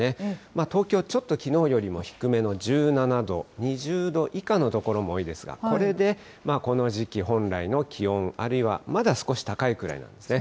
東京、ちょっときのうよりも低めの１７度、２０度以下の所も多いですが、これでこの時期本来の気温、あるいはまだ少し高いくらいなんですね。